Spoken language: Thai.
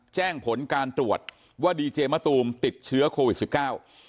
แจ้งผลการตรวจว่าดีเจมะตูมติดเชื้อโควิดสิบเก้า